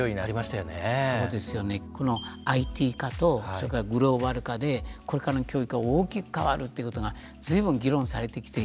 このＩＴ化とそれからグローバル化でこれからの教育は大きく変わるっていうことが随分議論されてきていたの。